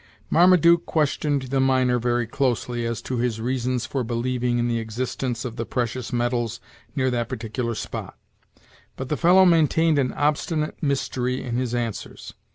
Marmaduke questioned the miner very closely as to his reasons for believing in the existence of the precious metals near that particular spot; but the fellow maintained an obstinate mystery in his answers.